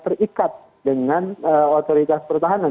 terikat dengan otoritas pertahanan